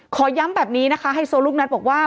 ขอย้ำแบบนี้นะคะไฮโซลูกนัดบอกว่า